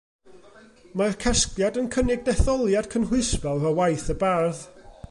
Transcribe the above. Mae'r casgliad yn cynnig detholiad cynhwysfawr o waith y bardd.